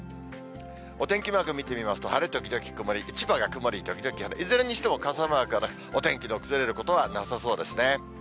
お天気マーク見てみますと、晴れ時々曇り、千葉が曇り時々晴れ、いずれにしても傘マークはなく、お天気の崩れることはなさそうですね。